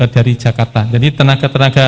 dari jakarta jadi tenaga tenaga